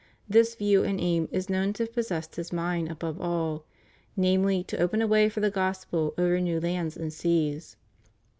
This view and aim is known to have possessed his mind above all; namely, to open a way for the Gospel over Lnew lands and seas.